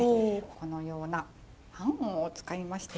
このようなパンを使いまして。